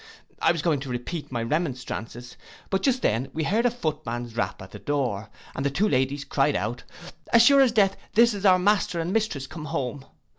I was going to repeat my rernonstrances; but just then we heard a footman's rap at the door, and the two ladies cried out, 'As sure as death there is our master and mistress come home.